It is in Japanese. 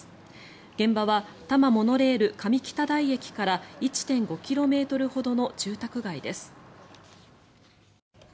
現場は多摩モノレール上北台駅から１．５ｋｍほどの住宅街です。